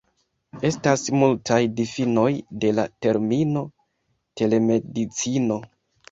Estas multaj difinoj de la termino "Telemedicino".